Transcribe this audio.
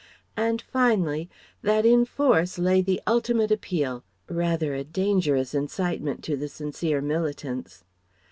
and finally "that in Force lay the ultimate appeal" (rather a dangerous incitement to the sincere militants).